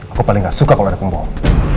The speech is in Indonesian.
aku paling gak suka kalau ada pembawa